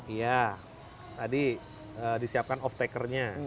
iya tadi disiapkan off takernya